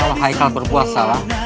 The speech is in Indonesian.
kalau haikal berbuat salah